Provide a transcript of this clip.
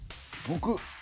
僕。